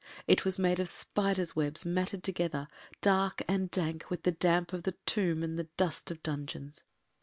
It was made of spiders’ webs matted together, dark and dank with the damp of the tomb and the dust of dungeons.